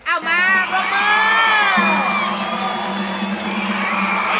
เอ้ามาพวกเบอร์